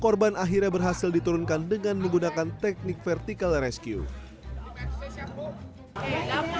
korban akhirnya berhasil diturunkan dengan menggunakan teknik vertical rescue